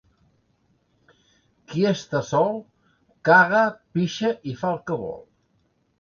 Qui està sol, caga, pixa i fa el que vol.